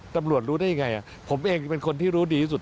ตำรวจรู้ได้อย่างไรผมเองเป็นคนที่รู้ดีที่สุด